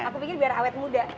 aku pikir biar awet muda